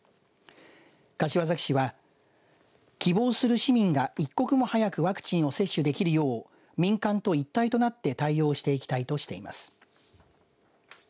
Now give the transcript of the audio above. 柏崎市は希望する市民が一刻も早くワクチンを接種できるよう民間と一体となって対応していきたいとしています。